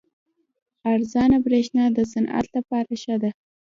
ارزانه بریښنا د صنعت لپاره ښه ده.